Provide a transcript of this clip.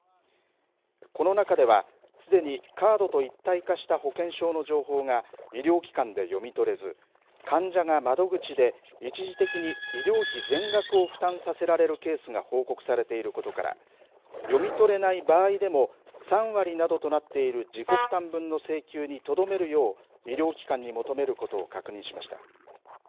この中では、すでにカードと一体化した保険証の情報が医療機関で読み取れず患者が窓口で一時的に医療費全額を負担させられるケースが報告されていることから読み取れない場合でも３割などとなっている自己負担分の請求にとどめるよう医療機関に求めることを確認しました。